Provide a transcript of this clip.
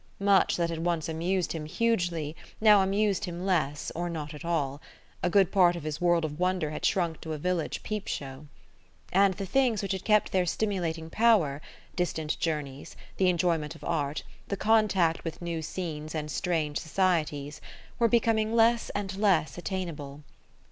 Much that had once amused him hugely now amused him less, or not at all: a good part of his world of wonder had shrunk to a village peep show. And the things which had kept their stimulating power distant journeys, the enjoyment of art, the contact with new scenes and strange societies were becoming less and less attainable.